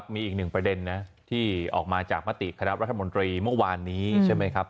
มีอีกหนึ่งประเด็นนะที่ออกมาจากมติคณะรัฐมนตรีเมื่อวานนี้ใช่ไหมครับ